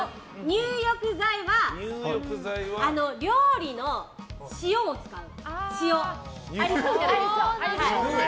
入浴剤は、料理の塩を使う。